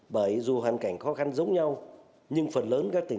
bởi dù hoàn cảnh khó khăn giống nhau nhưng phần lớn các tỉnh